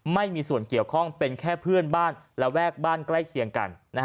ไม่มีส่วนเกี่ยวข้องเป็นแค่เพื่อนบ้านระแวกบ้านใกล้เคียงกัน